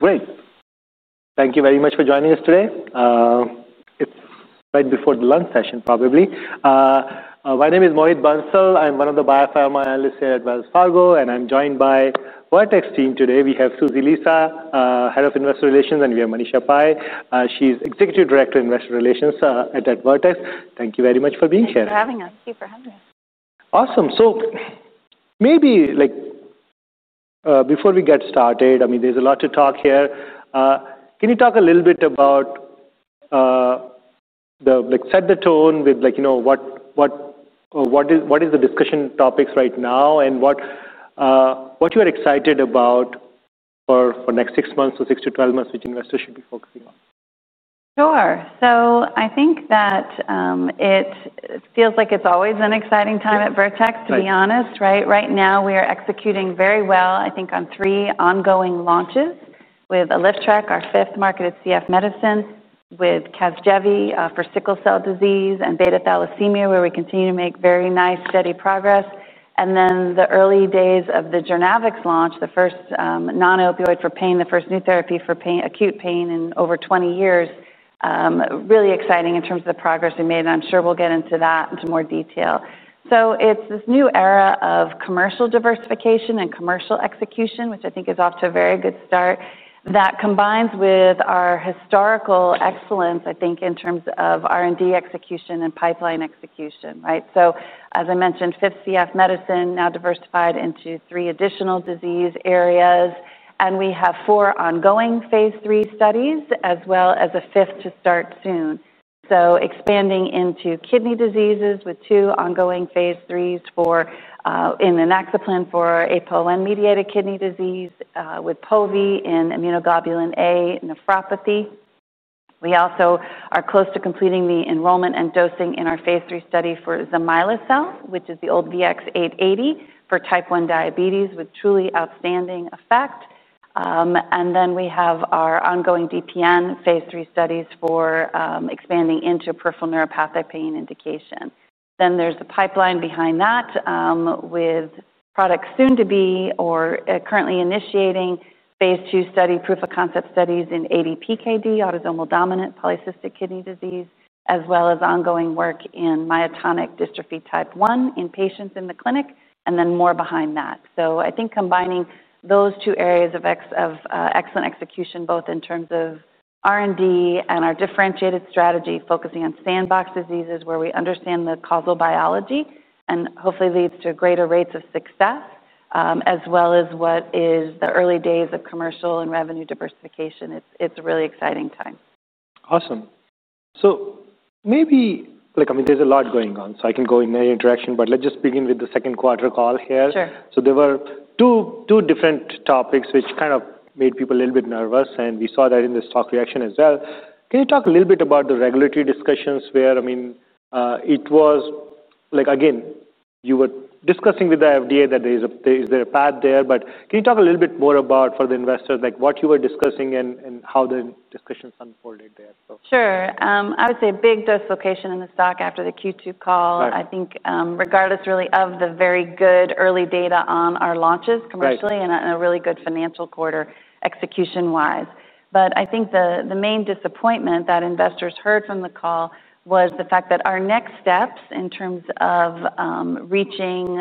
Great. Thank you very much for joining us today. It's right before the lunch session, probably. My name is Mohit Bansal. I'm one of the Biopharma Analyst here at Wells Fargo, and I'm joined by Vertex team today. We have Susie Lisa, Head of Investor Relations, and we have Manisha Pai. She's Executive Director of Investor Relations, at Vertex. Thank you very much for being here. Thanks for having us. Awesome. So maybe, like, before we get started, I mean, there's a lot to talk here. Can you talk a little bit about, like, set the tone with, like, you know, what is the discussion topics right now and what you're excited about for next six months or 6-12 months, which investors should be focusing on? Sure. So I think that it feels like it's always an exciting time at Vertex, to be honest, right? Right now, we are executing very well, I think, on three ongoing launches with Alyftrek, our fifth market in CF medicine, with Casgevy for sickle cell disease and beta thalassemia, where we continue to make very nice, steady progress. And then the early days of the Journavx launch, the first non-opioid for pain, the first new therapy for acute pain in over 20 years, really exciting in terms of the progress we made. And I'm sure we'll get into that in some more detail. So it's this new era of commercial diversification and commercial execution, which I think is off to a very good start, that combines with our historical excellence, I think, in terms of R&D execution and pipeline execution, right? So, as I mentioned, fifth CF medicine, now diversified into three additional disease areas, and we have four ongoing phase III studies, as well as a fifth to start soon. So expanding into kidney diseases with two ongoing phase IIIs for Inaxaplin for APOL1-mediated kidney disease, with Pove in Immunoglobulin A nephropathy. We also are close to completing the enrollment and dosing in our phase III study for zimislecel, which is the old VX-880 for type 1 diabetes, with truly outstanding effect, and then we have our ongoing DPN phase III studies for expanding into peripheral neuropathic pain indication. Then there's a pipeline behind that, with products soon to be or currently initiating phase II study, proof of concept studies in ADPKD, autosomal dominant polycystic kidney disease, as well as ongoing work in myotonic dystrophy type 1 in patients in the clinic, and then more behind that. I think combining those two areas of excellent execution, both in terms of R&D and our differentiated strategy, focusing on sandbox diseases, where we understand the causal biology and hopefully leads to greater rates of success, as well as what is the early days of commercial and revenue diversification. It's a really exciting time. Awesome, so maybe, like, I mean, there's a lot going on, so I can go in any direction, but let's just begin with the second quarter call here. Sure. So there were two different topics, which kind of made people a little bit nervous, and we saw that in the stock reaction as well. Can you talk a little bit about the regulatory discussions where, I mean, it was like, again, you were discussing with the FDA that there is a, is there a path there, but can you talk a little bit more about, for the investors, like, what you were discussing and how the discussions unfolded there? Sure. I would say a big dislocation in the stock after the Q2 call. Right. I think, regardless really of the very good early data on our launches commercially and a really good financial quarter execution-wise. But I think the main disappointment that investors heard from the call was the fact that our next steps in terms of, reaching,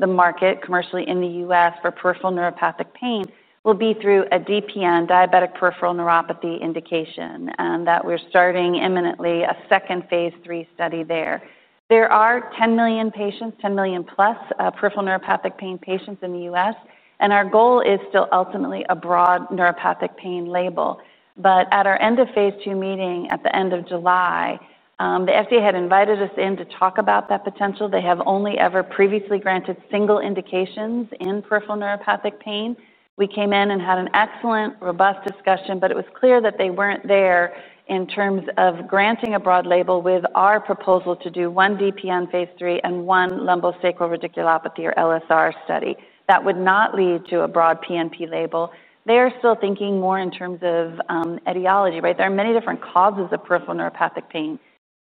the market commercially in the U.S. for peripheral neuropathic pain will be through a DPN, diabetic peripheral neuropathy indication, and that we're starting imminently a second phase III study there. There are 10 million patients, 10 million+, peripheral neuropathic pain patients in the U.S., and our goal is still ultimately a broad neuropathic pain label. But at our end of phase II meeting at the end of July, the FDA had invited us in to talk about that potential. They have only ever previously granted single indications in peripheral neuropathic pain. We came in and had an excellent, robust discussion, but it was clear that they weren't there in terms of granting a broad label with our proposal to do one DPN phase III and one lumbosacral radiculopathy or LSR study that would not lead to a broad PNP label. They are still thinking more in terms of, etiology, right? There are many different causes of peripheral neuropathic pain: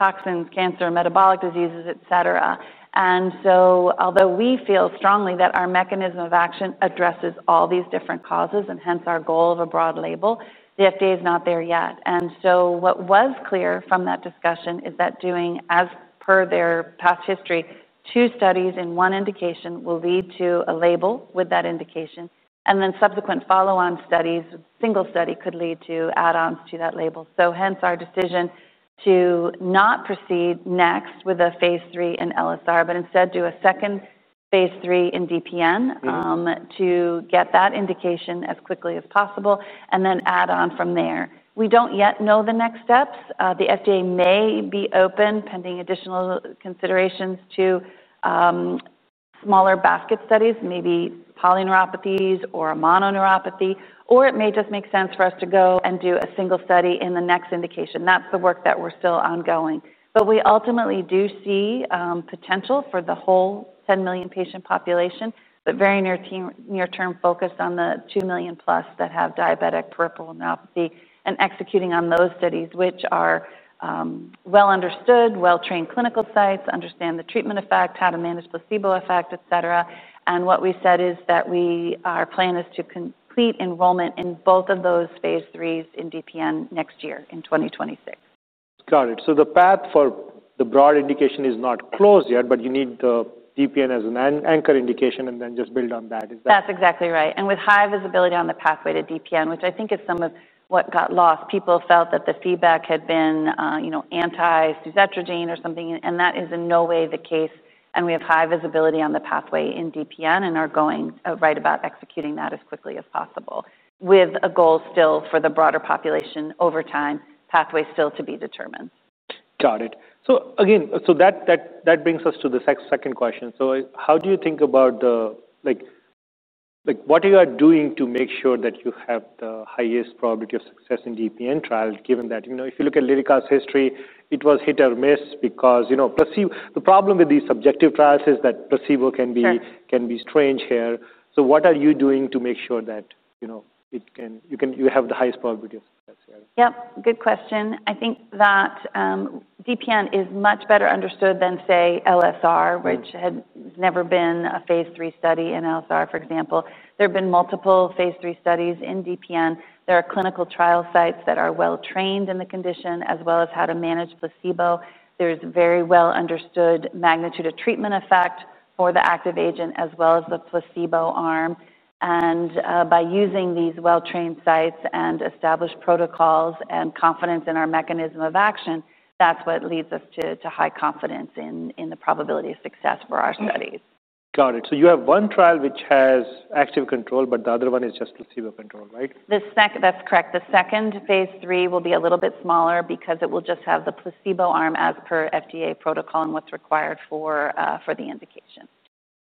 toxins, cancer, metabolic diseases, et cetera. And so, although we feel strongly that our mechanism of action addresses all these different causes, and hence our goal of a broad label, the FDA is not there yet. And so what was clear from that discussion is that doing, as per their past history, two studies in one indication will lead to a label with that indication, and then subsequent follow-on studies, single study could lead to add-ons to that label. So hence our decision to not proceed next with a phase III in LSR, but instead do a second phase III in DPN, to get that indication as quickly as possible and then add on from there. We don't yet know the next steps. The FDA may be open pending additional considerations to smaller basket studies, maybe polyneuropathies or a mononeuropathy, or it may just make sense for us to go and do a single study in the next indication. That's the work that we're still ongoing. But we ultimately do see potential for the whole 10 million patient population, but very near-term focus on the 2 million+ that have diabetic peripheral neuropathy and executing on those studies, which are well-understood, well-trained clinical sites, understand the treatment effect, how to manage placebo effect, et cetera. What we said is that our plan is to complete enrollment in both of those phase IIIs in DPN next year in 2026. Got it. So the path for the broad indication is not closed yet, but you need the DPN as an anchor indication and then just build on that. Is that? That's exactly right, and with high visibility on the pathway to DPN, which I think is some of what got lost, people felt that the feedback had been, you know, anti-suzetrigine or something, and that is in no way the case, and we have high visibility on the pathway in DPN and are going right about executing that as quickly as possible with a goal still for the broader population over time, pathway still to be determined. Got it. So again, that brings us to the second question. So how do you think about the, like, what are you doing to make sure that you have the highest probability of success in DPN trials, given that, you know, if you look at Lyrica's history, it was hit or miss because, you know, the problem with these subjective trials is that placebo can be. Sure. Can be strange here. So what are you doing to make sure that, you know, you have the highest probability of success here? Yep. Good question. I think that DPN is much better understood than, say, LSR, which had never been a phase III study in LSR, for example. There have been multiple phase III studies in DPN. There are clinical trial sites that are well-trained in the condition, as well as how to manage placebo. There is very well-understood magnitude of treatment effect for the active agent, as well as the placebo arm. By using these well-trained sites and established protocols and confidence in our mechanism of action, that's what leads us to high confidence in the probability of success for our studies. Got it. So you have one trial which has active control, but the other one is just placebo control, right? The second, that's correct. The second phase III will be a little bit smaller because it will just have the placebo arm as per FDA protocol and what's required for the indication.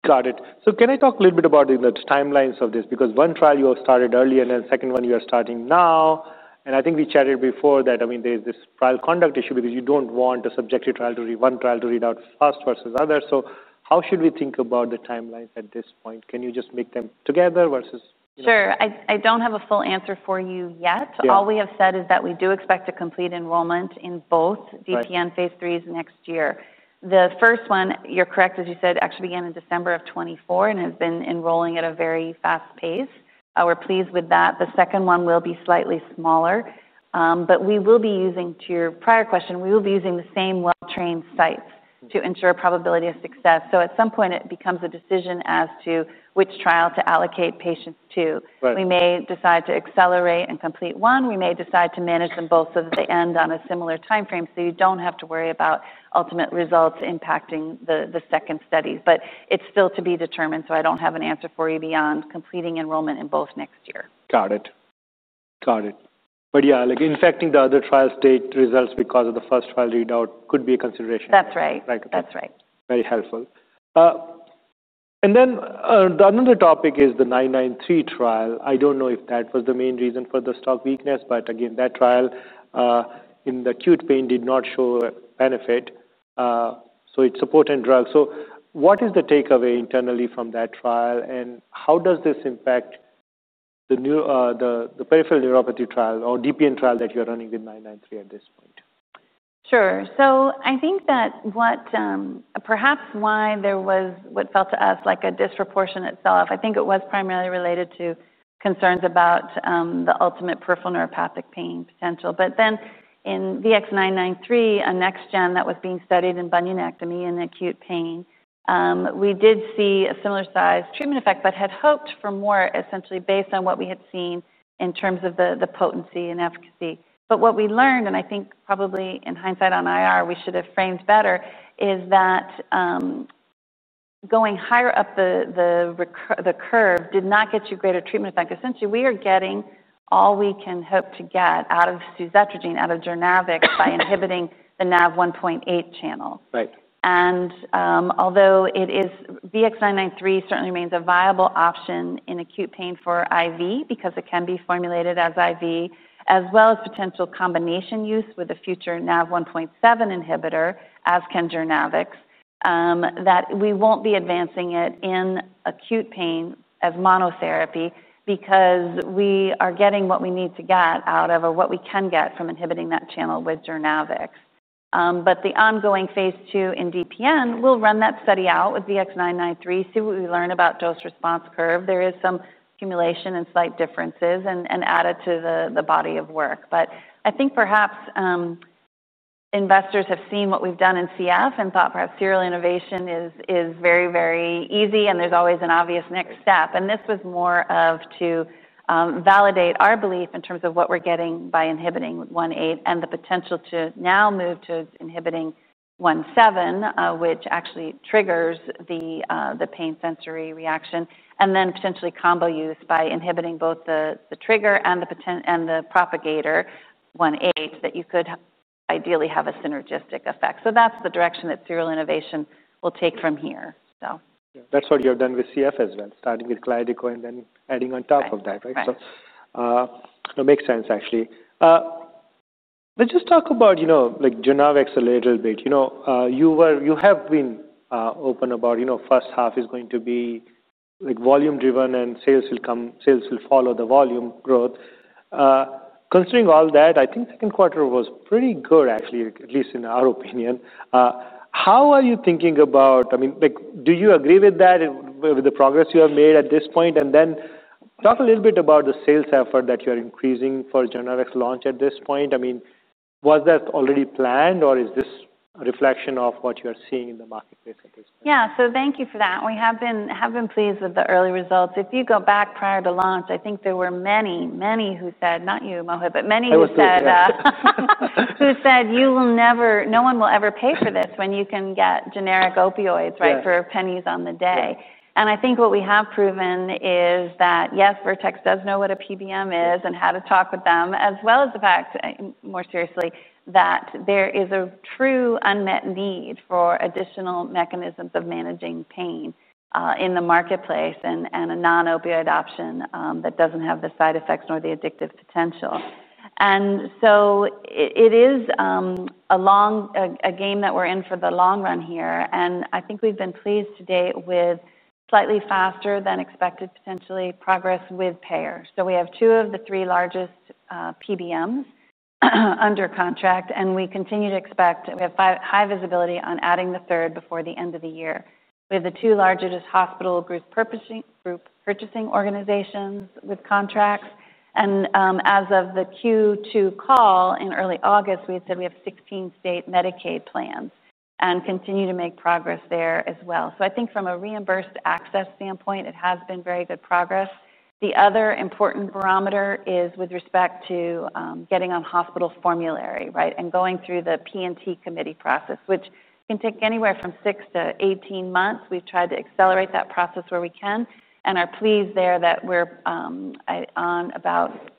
Got it. So can I talk a little bit about, you know, the timelines of this? Because one trial you have started early and then the second one you are starting now. And I think we chatted before that, I mean, there's this trial conduct issue because you don't want a subjective trial to read, one trial to read out fast versus others. So how should we think about the timelines at this point? Can you just make them together versus? Sure. I don't have a full answer for you yet. Sure. All we have said is that we do expect to complete enrollment in both DPN phase IIIs next year. The first one, you're correct, as you said, actually began in December of 2024 and has been enrolling at a very fast pace. We're pleased with that. The second one will be slightly smaller, but we will be using, to your prior question, we will be using the same well-trained sites to ensure probability of success, so at some point, it becomes a decision as to which trial to allocate patients to. Right. We may decide to accelerate and complete one. We may decide to manage them both so that they end on a similar timeframe so you don't have to worry about ultimate results impacting the second studies. But it's still to be determined, so I don't have an answer for you beyond completing enrollment in both next year. Got it. Got it. But yeah, like, affecting the other trial's data results because of the first trial readout could be a consideration. That's right. Right. That's right. Very helpful. And then, another topic is the 993 trial. I don't know if that was the main reason for the stock weakness, but again, that trial in the acute pain did not show benefit. So it's supporting drugs. So what is the takeaway internally from that trial, and how does this impact the neuro, the peripheral neuropathy trial or DPN trial that you are running with 993 at this point? Sure. So I think that what, perhaps why there was what felt to us like a disproportion itself, I think it was primarily related to concerns about the ultimate peripheral neuropathic pain potential. But then in VX-993, a next gen that was being studied in bunionectomy in acute pain, we did see a similar size treatment effect, but had hoped for more essentially based on what we had seen in terms of the potency and efficacy. But what we learned, and I think probably in hindsight on IR, we should have framed better, is that going higher up the curve did not get you greater treatment effect. Essentially, we are getting all we can hope to get out of suzetrigine, out of Journavx by inhibiting the NaV1.8 channel. Right. Although VX-993 certainly remains a viable option in acute pain for IV because it can be formulated as IV, as well as potential combination use with a future NaV1.7 inhibitor, as can Journavx, that we won't be advancing it in acute pain as monotherapy because we are getting what we need to get out of or what we can get from inhibiting that channel with Journavx. But the ongoing phase II in DPN will run that study out with VX-993, see what we learn about dose response curve. There is some accumulation and slight differences and added to the body of work. But I think perhaps, investors have seen what we've done in CF and thought perhaps serial innovation is, is very, very easy, and there's always an obvious next step. This was more to validate our belief in terms of what we're getting by inhibiting 1.8 and the potential to now move to inhibiting 1.7, which actually triggers the pain sensory reaction, and then potentially combo use by inhibiting both the trigger and the propagator 1.8 that you could ideally have a synergistic effect. So that's the direction that serial innovation will take from here. So. That's what you have done with CF as well, starting with Kalydeco and then adding on top of that, right? Yes. It makes sense actually. Let's just talk about, you know, like, Journavx a little bit. You know, you have been open about, you know, first half is going to be, like, volume-driven and sales will follow the volume growth. Considering all that, I think second quarter was pretty good actually, at least in our opinion. How are you thinking about, I mean, like, do you agree with that, with the progress you have made at this point? And then talk a little bit about the sales effort that you are increasing for Journavx launch at this point. I mean, was that already planned or is this a reflection of what you are seeing in the marketplace at this point? Yeah. So thank you for that. We have been pleased with the early results. If you go back prior to launch, I think there were many who said, not you, Mohit, but many who said, "You will never, no one will ever pay for this when you can get generic opioids, right, for pennies on the dollar." And I think what we have proven is that, yes, Vertex does know what a PBM is and how to talk with them, as well as the fact, more seriously, that there is a true unmet need for additional mechanisms of managing pain in the marketplace and a non-opioid option that doesn't have the side effects nor the addictive potential. And so it is a long game that we're in for the long run here. I think we've been pleased today with slightly faster than expected, potentially, progress with payers. We have two of the three largest PBMs under contract, and we continue to expect we have high visibility on adding the third before the end of the year. We have the two largest hospital group purchasing organizations with contracts. As of the Q2 call in early August, we had said we have 16 state Medicaid plans and continue to make progress there as well. I think from a reimbursed access standpoint, it has been very good progress. The other important barometer is with respect to getting on hospital formulary, right, and going through the P&T committee process, which can take anywhere from 6-18 months. We've tried to accelerate that process where we can and are pleased there that we're on about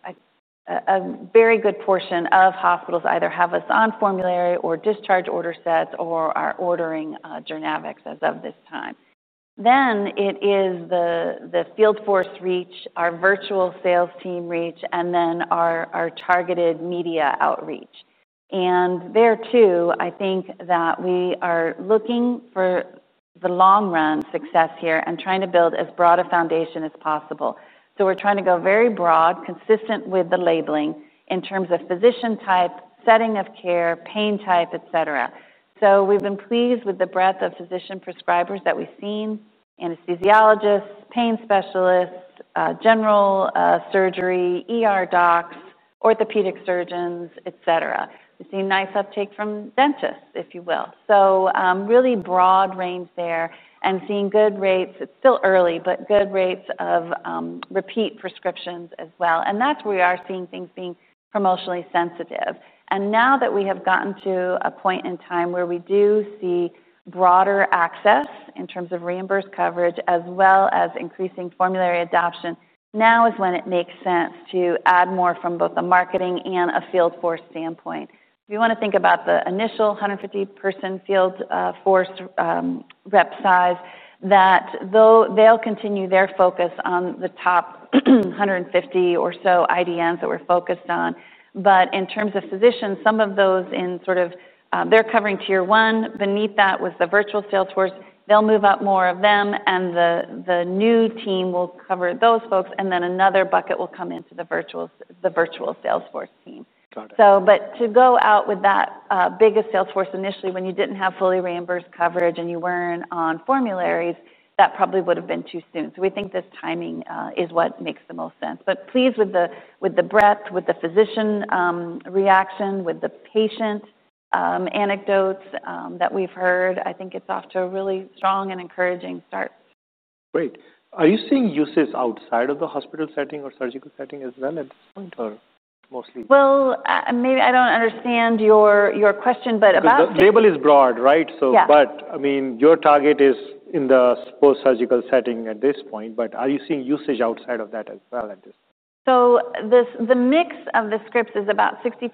a very good portion of hospitals either have us on formulary or discharge order sets or are ordering Journavx as of this time, then it is the field force reach, our virtual sales team reach, and then our targeted media outreach, and there too, I think that we are looking for the long run success here and trying to build as broad a foundation as possible, so we're trying to go very broad, consistent with the labeling in terms of physician type, setting of care, pain type, et cetera. We've been pleased with the breadth of physician prescribers that we've seen, anesthesiologists, pain specialists, general surgery docs, orthopedic surgeons, et cetera. We've seen nice uptake from dentists, if you will, so really broad range there and seeing good rates. It's still early, but good rates of repeat prescriptions as well. And that's where we are seeing things being promotionally sensitive. And now that we have gotten to a point in time where we do see broader access in terms of reimbursed coverage, as well as increasing formulary adoption, now is when it makes sense to add more from both a marketing and a field force standpoint. We want to think about the initial 150-person field force rep size, that though they'll continue their focus on the top 150 or so IDNs that we're focused on, but in terms of physicians, some of those in sort of they're covering tier one. Beneath that was the virtual sales force. They'll move up more of them, and the new team will cover those folks, and then another bucket will come into the virtual sales force team. Got it. So, but to go out with that biggest sales force initially, when you didn't have fully reimbursed coverage and you weren't on formularies, that probably would have been too soon. So we think this timing is what makes the most sense. But pleased with the breadth, with the physician reaction, with the patient anecdotes that we've heard, I think it's off to a really strong and encouraging start. Great. Are you seeing uses outside of the hospital setting or surgical setting as well at this point, or mostly? Maybe I don't understand your question, but about the. The label is broad, right? Yes. So, but I mean, your target is in the post-surgical setting at this point, but are you seeing usage outside of that as well at this point? So this, the mix of the scripts is about 65%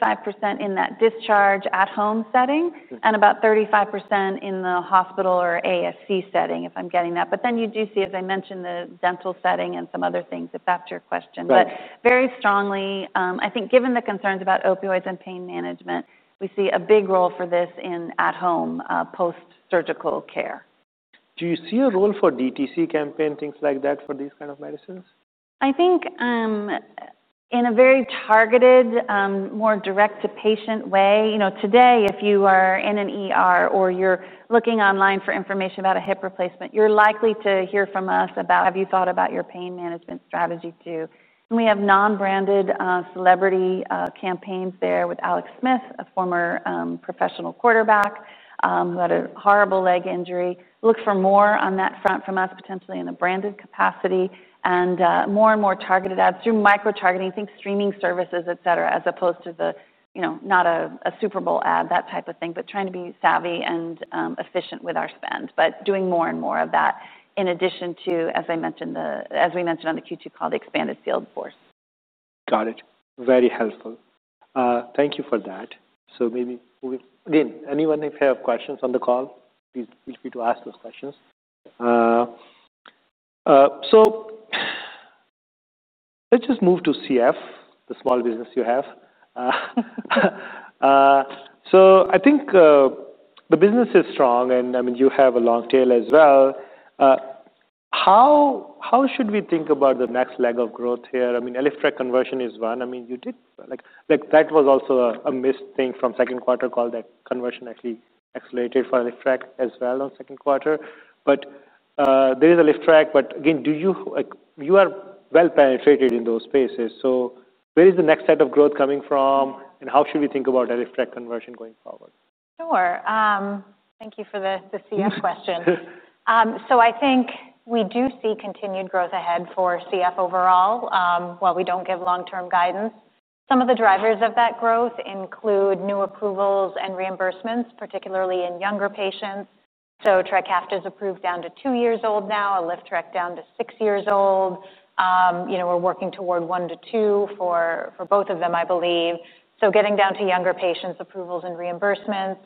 in that discharge at home setting and about 35% in the hospital or ASC setting, if I'm getting that. But then you do see, as I mentioned, the dental setting and some other things, if that's your question. Right. But very strongly, I think given the concerns about opioids and pain management, we see a big role for this in at-home, post-surgical care. Do you see a role for DTC campaign, things like that, for these kind of medicines? I think, in a very targeted, more direct-to-patient way. You know, today, if you are in an ER or you're looking online for information about a hip replacement, you're likely to hear from us about, "Have you thought about your pain management strategy too?" and we have non-branded celebrity campaigns there with Alex Smith, a former professional quarterback, who had a horrible leg injury. Look for more on that front from us, potentially in a branded capacity and more and more targeted ads through micro-targeting, think streaming services, etc., as opposed to the, you know, not a Super Bowl ad, that type of thing, but trying to be savvy and efficient with our spend, but doing more and more of that in addition to, as I mentioned, as we mentioned on the Q2 call, the expanded field force. Got it. Very helpful. Thank you for that. Maybe we'll, again, anyone if you have questions on the call, please feel free to ask those questions. Let's just move to CF, the core business you have. I think the business is strong and I mean you have a long tail as well. How should we think about the next leg of growth here? I mean, Alyftrek conversion is one. I mean, you did like that was also a missed thing from second quarter call that conversion actually accelerated for Alyftrek as well in second quarter. But there is Alyftrek, but again, do you like you are well penetrated in those spaces. So where is the next set of growth coming from and how should we think about Alyftrek conversion going forward? Sure. Thank you for the CF question. Yeah. So I think we do see continued growth ahead for CF overall, while we don't give long-term guidance. Some of the drivers of that growth include new approvals and reimbursements, particularly in younger patients. So Trikafta is approved down to two years old now, Alyftrek down to six years old. You know, we're working toward one to two for both of them, I believe. So getting down to younger patients, approvals and reimbursements,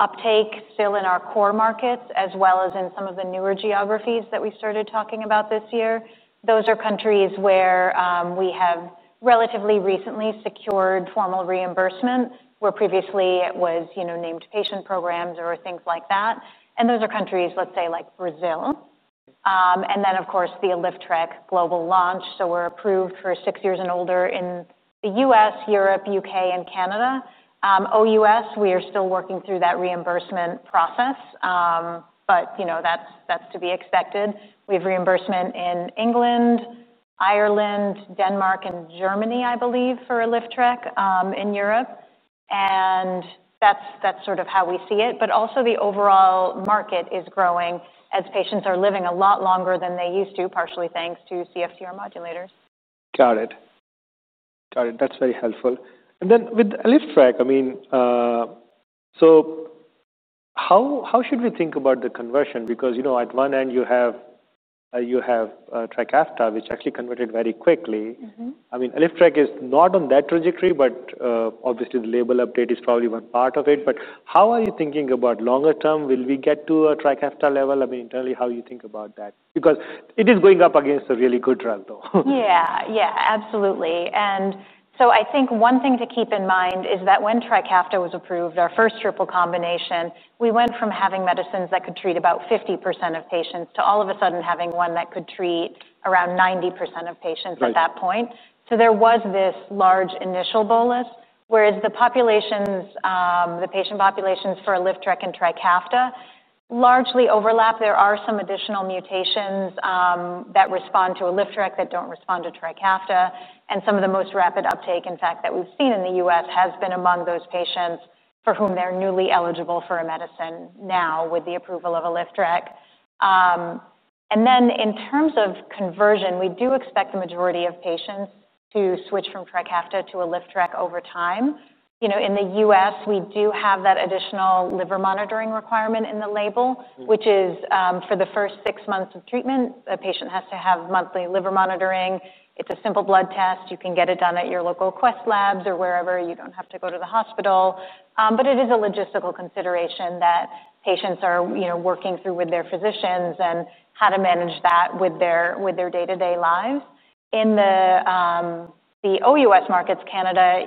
uptake still in our core markets as well as in some of the newer geographies that we started talking about this year. Those are countries where we have relatively recently secured formal reimbursement where previously it was, you know, named patient programs or things like that. And those are countries, let's say, like Brazil. And then, of course, the Alyftrek global launch. So we're approved for six years and older in the U.S., Europe, U.K., and Canada. OUS, we are still working through that reimbursement process, but, you know, that's to be expected. We have reimbursement in England, Ireland, Denmark, and Germany, I believe, for Alyftrek, in Europe. And that's sort of how we see it. But also the overall market is growing as patients are living a lot longer than they used to, partially thanks to CFTR modulators. Got it. That's very helpful. And then with Alyftrek, I mean, so how should we think about the conversion? Because, you know, at one end you have Trikafta, which actually converted very quickly. Mm-hmm. I mean, Alyftrek is not on that trajectory, but, obviously the label update is probably one part of it. But how are you thinking about longer term? Will we get to a Trikafta level? I mean, internally, how do you think about that? Because it is going up against a really good drug though. Yeah. Yeah. Absolutely. And so I think one thing to keep in mind is that when Trikafta was approved, our first triple combination, we went from having medicines that could treat about 50% of patients to all of a sudden having one that could treat around 90% of patients at that point. So there was this large initial bolus, whereas the populations, the patient populations for Alyftrek and Trikafta largely overlap. There are some additional mutations that respond to Alyftrek that don't respond to Trikafta. And some of the most rapid uptake, in fact, that we've seen in the U.S. has been among those patients for whom they're newly eligible for a medicine now with the approval of Alyftrek. And then in terms of conversion, we do expect the majority of patients to switch from Trikafta to Alyftrek over time. You know, in the U.S., we do have that additional liver monitoring requirement in the label, which is, for the first six months of treatment, a patient has to have monthly liver monitoring. It's a simple blood test. You can get it done at your local Quest Labs or wherever. You don't have to go to the hospital. But it is a logistical consideration that patients are, you know, working through with their physicians and how to manage that with their day-to-day lives. In the OUS markets, Canada,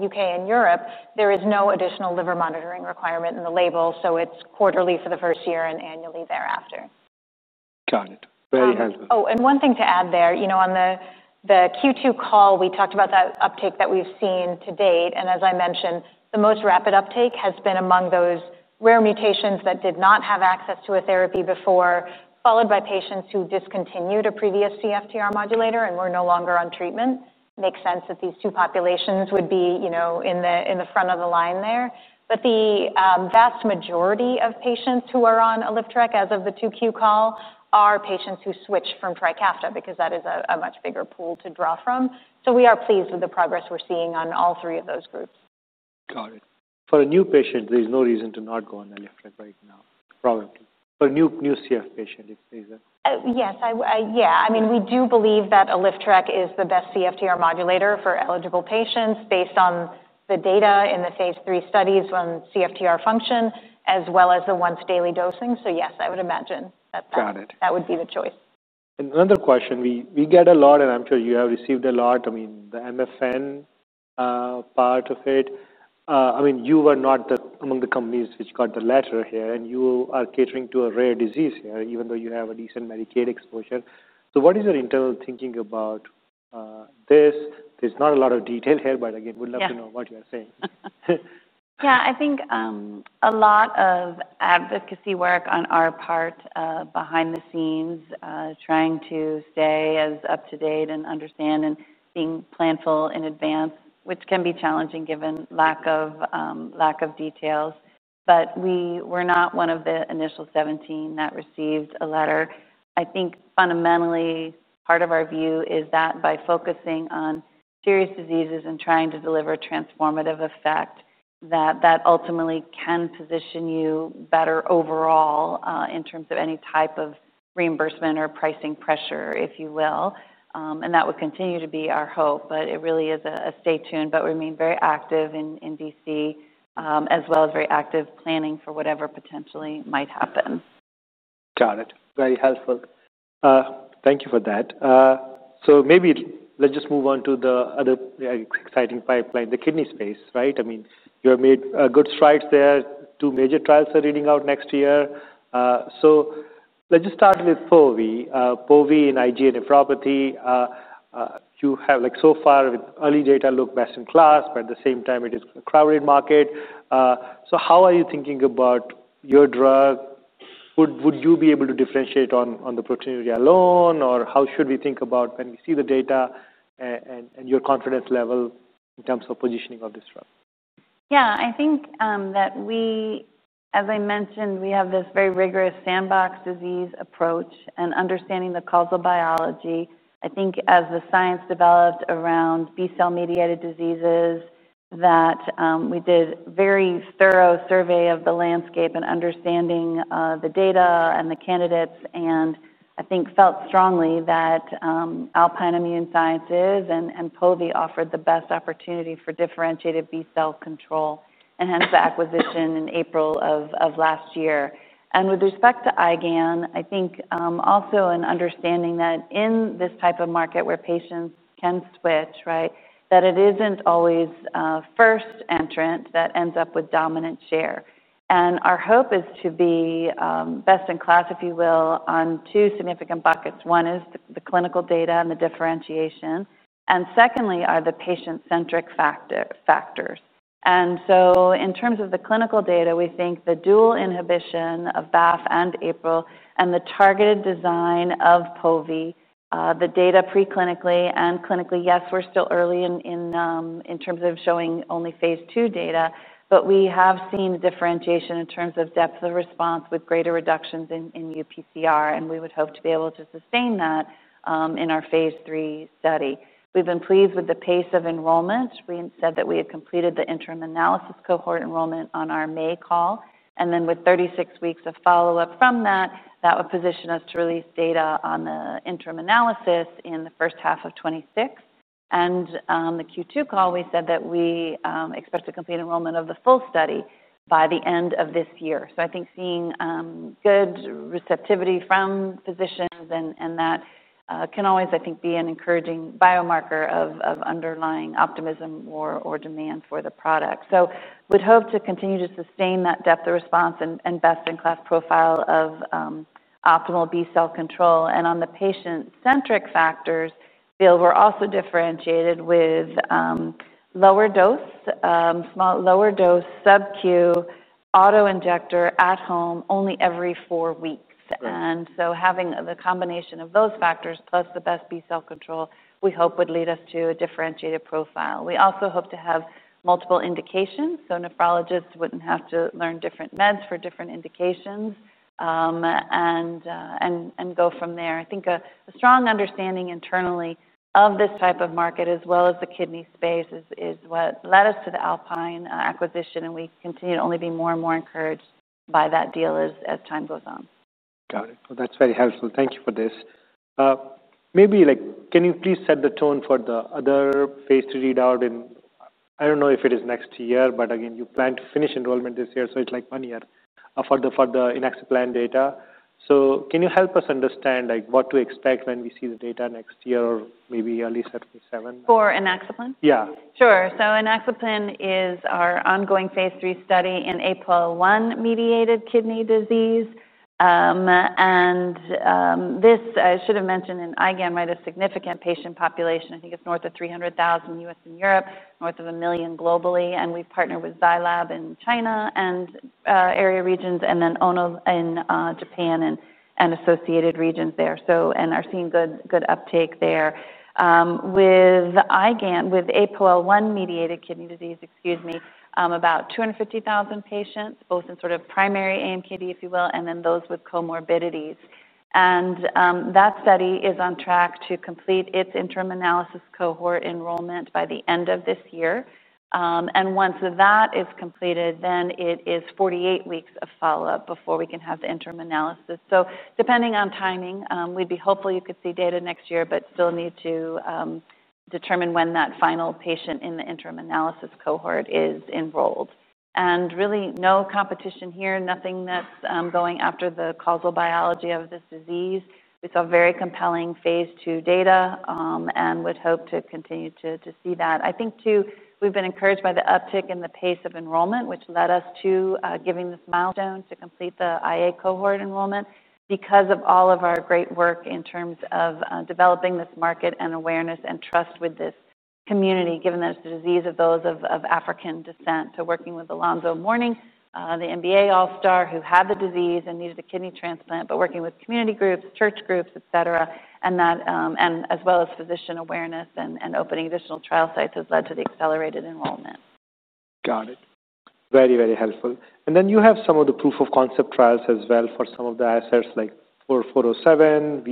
U.K., and Europe, there is no additional liver monitoring requirement in the label. So it's quarterly for the first year and annually thereafter. Got it. Very helpful. Oh, and one thing to add there, you know, on the Q2 call, we talked about that uptake that we've seen to date. And as I mentioned, the most rapid uptake has been among those rare mutations that did not have access to a therapy before, followed by patients who discontinued a previous CFTR modulator and were no longer on treatment. Makes sense that these two populations would be, you know, in the front of the line there. But the vast majority of patients who are on Alyftrek, as of the Q2 call, are patients who switch from Trikafta because that is a much bigger pool to draw from. So we are pleased with the progress we're seeing on all three of those groups. Got it. For a new patient, there's no reason to not go on Alyftrek right now, probably. For a new, new CF patient, is that? Yes. Yeah. I mean, we do believe that Alyftrek is the best CFTR modulator for eligible patients based on the data in the phase III studies on CFTR function, as well as the once daily dosing. So yes, I would imagine that. Got it. That would be the choice. Another question. We get a lot, and I'm sure you have received a lot. I mean, the MFN part of it. I mean, you were not among the companies which got the letter here, and you are catering to a rare disease here, even though you have a decent Medicaid exposure. So what is your internal thinking about this? There's not a lot of detail here, but again, would love to know what you're saying. Yeah. I think a lot of advocacy work on our part, behind the scenes, trying to stay as up-to-date and understand and being planful in advance, which can be challenging given lack of, lack of details. But we were not one of the initial 17 that received a letter. I think fundamentally part of our view is that by focusing on serious diseases and trying to deliver a transformative effect, that that ultimately can position you better overall, in terms of any type of reimbursement or pricing pressure, if you will, and that would continue to be our hope, but it really is a stay tuned, but remain very active in D.C., as well as very active planning for whatever potentially might happen. Got it. Very helpful. Thank you for that, so maybe let's just move on to the other exciting pipeline, the kidney space, right? I mean, you have made good strides there. Two major trials are read out next year, so let's just start with Pove, Pove in IgA nephropathy. You have, like, so far with early data look best in class, but at the same time it is a crowded market, so how are you thinking about your drug? Would you be able to differentiate on the proteinuria alone, or how should we think about when we see the data and your confidence level in terms of positioning of this drug? Yeah. I think that we, as I mentioned, have this very rigorous sandbox disease approach and understanding the causal biology. I think as the science developed around B-cell mediated diseases that we did a very thorough survey of the landscape and understanding the data and the candidates, and I think felt strongly that Alpine Immune Sciences and Pove offered the best opportunity for differentiated B-cell control and hence the acquisition in April of last year, and with respect to IgAN, I think also an understanding that in this type of market where patients can switch, right, that it isn't always first entrant that ends up with dominant share, and our hope is to be best in class, if you will, on two significant buckets. One is the clinical data and the differentiation, and secondly are the patient-centric factors. So in terms of the clinical data, we think the dual inhibition of BAFF and APRIL and the targeted design of Pove, the data preclinically and clinically, yes, we're still early in terms of showing only phase II data, but we have seen differentiation in terms of depth of response with greater reductions in UPCR. We would hope to be able to sustain that in our phase III study. We've been pleased with the pace of enrollment. We said that we had completed the interim analysis cohort enrollment on our May call. Then with 36 weeks of follow-up from that, that would position us to release data on the interim analysis in the first half of 2026. On the Q2 call, we said that we expect to complete enrollment of the full study by the end of this year. I think seeing good receptivity from physicians and that can always, I think, be an encouraging biomarker of underlying optimism or demand for the product. We'd hope to continue to sustain that depth of response and best in class profile of optimal B-cell control. On the patient-centric factors, we're also differentiated with lower dose, small lower dose Sub-Q auto injector at home only every four weeks. Having the combination of those factors plus the best B-cell control, we hope would lead us to a differentiated profile. We also hope to have multiple indications, so nephrologists wouldn't have to learn different meds for different indications and go from there. A strong understanding internally of this type of market as well as the kidney space is what led us to the Alpine acquisition. We continue to only be more and more encouraged by that deal as time goes on. Got it. Well, that's very helpful. Thank you for this. Maybe, like, can you please set the tone for the other phase three readout? And I don't know if it is next year, but again, you plan to finish enrollment this year. So it's like one year for the Inaxaplin data. So can you help us understand, like, what to expect when we see the data next year or maybe early 2027? For Inaxaplin? Yeah. Sure. So Inaxaplin is our ongoing phase III study in APOL1-mediated kidney disease. This, I should have mentioned in IgAN, right, a significant patient population. I think it's north of 300,000 in the U.S. and Europe, north of a million globally. We've partnered with Zai Lab in China and Asia regions and then Ono in Japan and associated regions there. So we are seeing good uptake there with IgAN. With APOL1-mediated kidney disease, excuse me, about 250,000 patients, both in sort of primary AMKD, if you will, and then those with comorbidities. That study is on track to complete its interim analysis cohort enrollment by the end of this year. Once that is completed, then it is 48 weeks of follow-up before we can have the interim analysis. Depending on timing, we'd be hopeful you could see data next year, but still need to determine when that final patient in the interim analysis cohort is enrolled. Really no competition here, nothing that's going after the causal biology of this disease. We saw very compelling phase II data, and would hope to continue to see that. I think too, we've been encouraged by the uptick in the pace of enrollment, which led us to giving this milestone to complete the IA cohort enrollment because of all of our great work in terms of developing this market and awareness and trust with this community, given that it's a disease of those of African descent. Working with Alonzo Mourning, the NBA All-Star who had the disease and needed a kidney transplant, but working with community groups, church groups, et cetera, and that, and as well as physician awareness and, and opening additional trial sites has led to the accelerated enrollment. Got it. Very, very helpful. And then you have some of the proof of concept trials as well for some of the assets, like VX-407,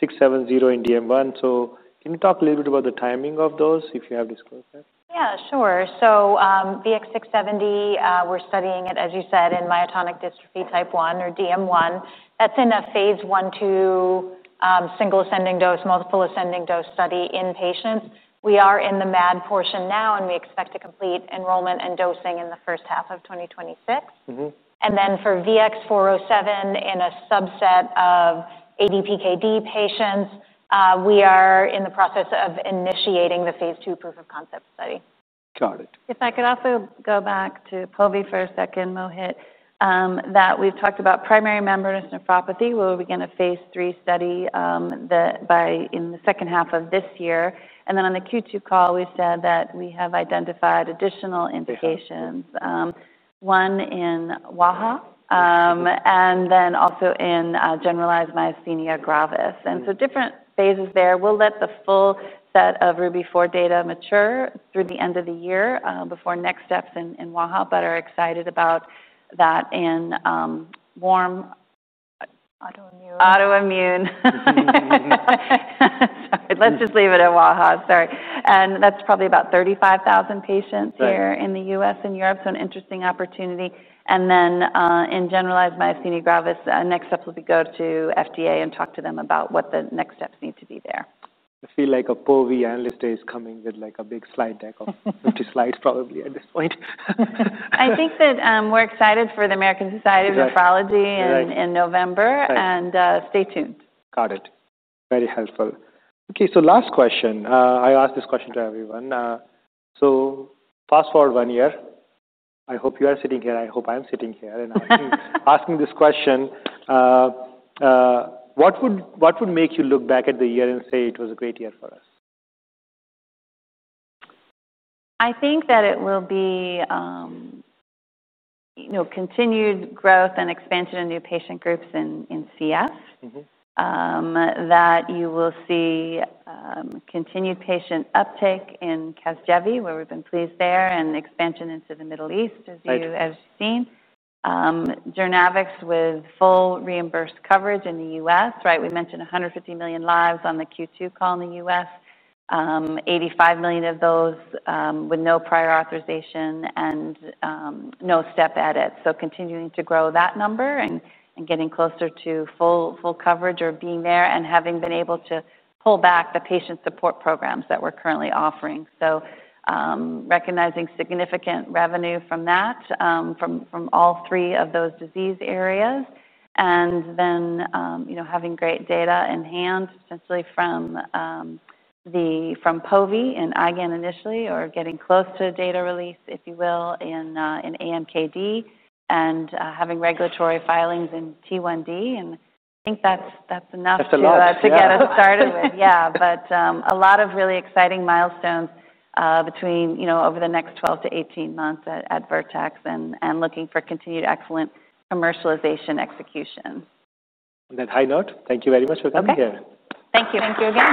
VX-670 in DM1. So can you talk a little bit about the timing of those if you have this cohort? Yeah, sure. So, VX-670, we're studying it, as you said, in myotonic dystrophy type 1 or DM1. That's in a phase I/II single ascending dose, multiple ascending dose study in patients. We are in the MAD portion now, and we expect to complete enrollment and dosing in the first half of 2026. And then for VX-407 in a subset of ADPKD patients, we are in the process of initiating the phase II proof of concept study. Got it. If I could also go back to Pove for a second, Mohit, that we've talked about primary membranous nephropathy. We'll begin a phase III study, that by in the second half of this year. And then on the Q2 call, we said that we have identified additional indications, one in WAIHA, and then also in generalized myasthenia gravis. And so different phases there. We'll let the full set of Ruby 4.0 data mature through the end of the year, before next steps in WAIHA, but are excited about that in warm. Autoimmune. Autoimmune. Sorry. Let's just leave it at WAIHA. Sorry. And that's probably about 35,000 patients here in the U.S. and Europe. So an interesting opportunity. And then in generalized myasthenia gravis, next steps will be go to FDA and talk to them about what the next steps need to be there. I feel like a Pove analyst is coming with like a big slide deck of 50 slides probably at this point. I think that we're excited for the American Society of Nephrology in November. And, stay tuned. Got it. Very helpful. Okay. So last question. I asked this question to everyone, so fast forward one year. I hope you are sitting here. I hope I'm sitting here and I'm asking this question. What would make you look back at the year and say it was a great year for us? I think that it will be, you know, continued growth and expansion of new patient groups in CF that you will see, continued patient uptake in Casgevy, where we've been pleased there, and expansion into the Middle East as you have seen. Journavx with full reimbursed coverage in the U.S., right? We mentioned 150 million lives on the Q2 call in the U.S., 85 million of those, with no prior authorization and no step edit. So continuing to grow that number and getting closer to full coverage or being there and having been able to pull back the patient support programs that we're currently offering. So, recognizing significant revenue from that, from all three of those disease areas. And then, you know, having great data in hand, essentially from Pove and IgAN initially, or getting close to data release, if you will, in AMKD and having regulatory filings in T1D. And I think that's enough to get us started with. Yeah. But a lot of really exciting milestones between you know over the next 12-18 months at Vertex and looking for continued excellent commercialization execution. On that high note, thank you very much for coming here. Thank you. Thank you again.